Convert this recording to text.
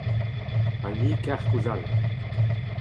Ha ni kerkoulz all.